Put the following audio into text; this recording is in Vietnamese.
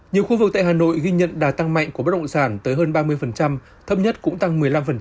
nhiều khu vực tại hà nội ghi nhận đạt tăng mạnh của bất động sản tới hơn ba mươi thấp nhất cũng tăng